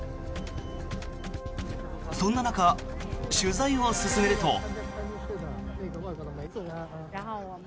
そんな中、取材を進めると。